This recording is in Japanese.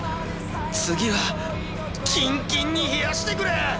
次はキンキンに冷やしてくれ！